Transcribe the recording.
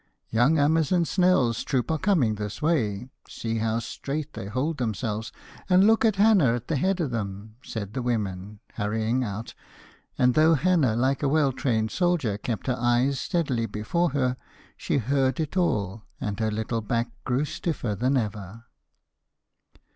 'Young Amazon Snell's troop are coming this way. See how straight they hold themselves! and look at Hannah at the head of them,' said the women, hurrying out; and though Hannah, like a well trained soldier, kept her eyes steadily before her, she heard it all and her little back grew stiffer than ever.